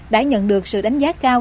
đã nhận được sự đánh giá cao